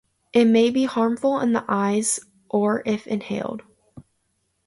It may be harmful in the eyes or if inhaled.